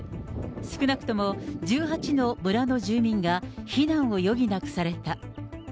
少なくとも１８の村の住民が避難を余儀なくされた。